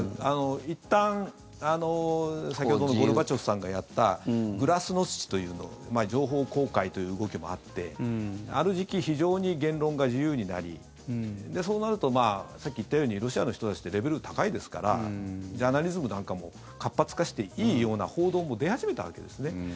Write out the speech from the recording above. いったん、先ほどのゴルバチョフさんがやったグラスノスチという情報公開という動きもあってある時期非常に言論が自由になりそうなると、さっき言ったようにロシアの人たちってレベルが高いですからジャーナリズムなんかも活発化していいような報道も出始めたわけですね。